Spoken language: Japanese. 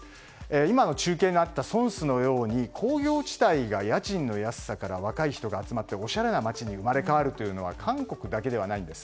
今の中継にあったソンスのように工場地帯が家賃の安さからおしゃれな街に生まれ変わるというのは韓国だけではないんです。